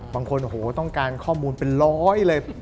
บางคนโอ้โหต้องการข้อมูลเป็นร้อยเลย